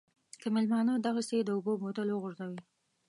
که مېلمانه دغسې د اوبو بوتل وغورځوي.